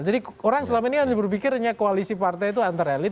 jadi orang selama ini hanya berpikirnya koalisi partai itu antar elit